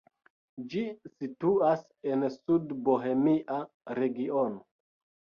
Ĝi situas en Sudbohemia regiono.